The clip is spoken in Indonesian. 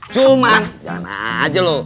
cuman jangan aja lo